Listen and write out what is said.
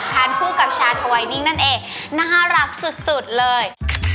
ทานคู่กับชาทไวนิ่งนั่นเองน่ารักสุดเลย